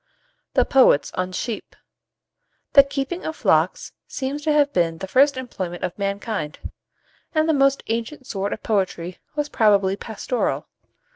THE POETS ON SHEEP. The keeping of flocks seems to have been the first employment of mankind; and the most ancient sort of poetry was probably pastoral.